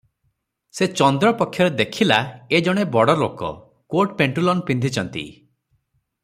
ସେ ଚନ୍ଦ୍ର ପକ୍ଷରେ ଦେଖିଲା ଏ ଜଣେ ବଡ଼ଲୋକ- କୋଟପେଣ୍ଟୁଲନ ପିନ୍ଧିଚନ୍ତି ।